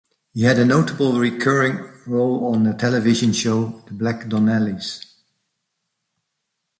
He had a notable recurring role on the Television show The Black Donnellys.